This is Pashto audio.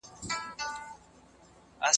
ژوند ستونزمن نه دئ.